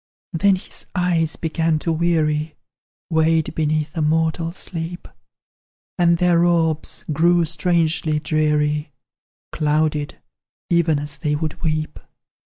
Then his eyes began to weary, Weighed beneath a mortal sleep; And their orbs grew strangely dreary, Clouded, even as they would weep.